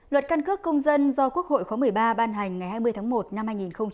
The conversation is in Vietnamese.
luật căn cước công dân do quốc hội khóa một mươi ba ban hành ngày hai mươi tháng một năm hai nghìn hai mươi